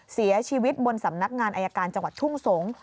เสียชีวิตบนสำนักงานอายการจังหวัดทุ่งสงศ์